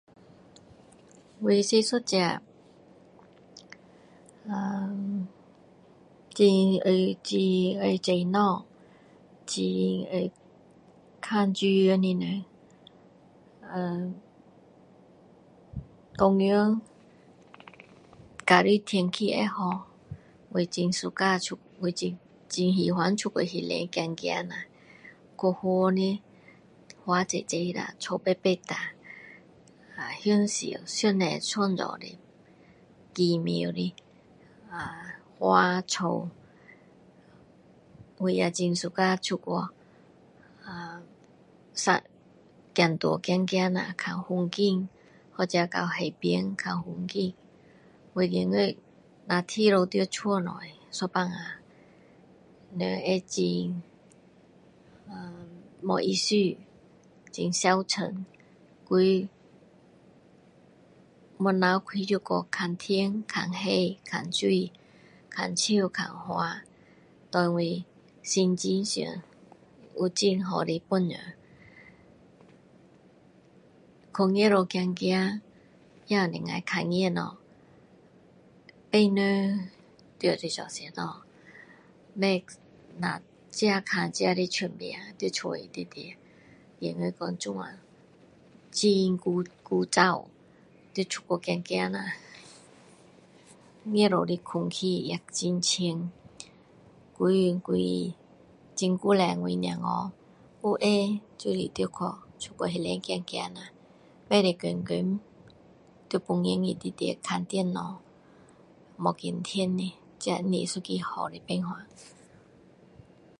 我是一个[ahh]很爱，很爱种东西，很爱看书的人。[ahh]当然假如天气会好，我很喜欢出，很喜欢外面走走啦。去花园，花栽栽啦，草拔拔下，[ahh]享受上帝创造的奇妙的[ahh】花草，我也很喜欢出去，[ahh] [unintelligible] 走路走走啦，看风景，或者去海边看风景。我觉得若一直在家里，一半下，人会很[ahh]没意思，很消沉。所以，门口开出去，看天，看海，看水，看树，看花，对我心情上有很好的帮助。去外面走走，会能够看见东西，别人在做什么，别自己看自己的墙壁在家里面，觉得这样很枯，枯燥。需出去走走啦，外面的空气，也很清。因为所以，以前我小孩，有空就出去外面走走，不可以天天在房间里面看电脑。没见天的，这不是一个好办法。